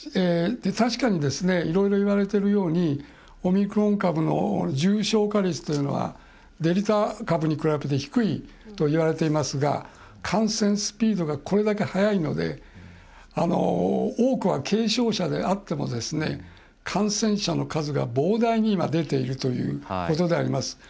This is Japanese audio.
確かに、いろいろいわれているようにオミクロン株の重症化率というのはデルタ株に比べて低いといわれていますが感染スピードがこれだけ速いので多くは軽症者であっても感染者の数が膨大に出ているということであります。